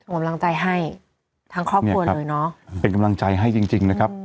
กำลังใจให้ทั้งครอบครัวเลยเนอะเป็นกำลังใจให้จริงจริงนะครับ